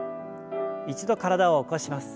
一度体を起こします。